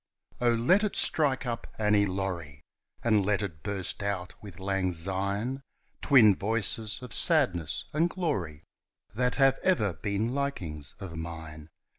Oh, let it strike up "Annie Laurie," And let it burst out with "Lang Syne" Twin voices of sadness and glory That have ever been likings of mine.